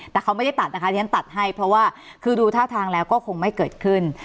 แต่เขาไม่ได้ตัดนะคะที่ฉันตัดให้เพราะว่าคือดูท่าทางแล้วก็คงไม่เกิดขึ้น